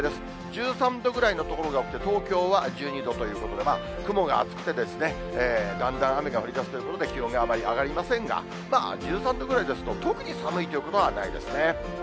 １３度ぐらいの所が多くて、東京は１２度ということで、雲が厚くてですね、だんだん雨が降りだすということで、気温があまり上がりませんが、１３度ぐらいですと、特に寒いということはないですね。